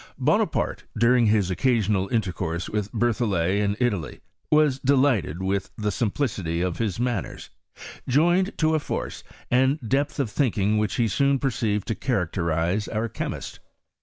Bonaparte, during his occasional inter course with Berthollet in Italy, was delighted with the simplicity of his manners, joined to a force and depth of thinking which he soon perceived to cha racterize our chemist.